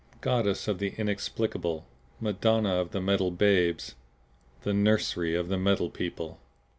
Goddess of the Inexplicable! Madonna of the Metal Babes! The Nursery of the Metal People!